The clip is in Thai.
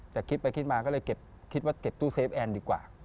แต่คิดไปคิดมาก็เลยคิดว่าเก็บตู้เซฟแอนดีกว่า